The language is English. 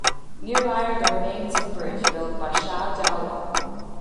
Nearby are the remains of a bridge built by Shah Daula.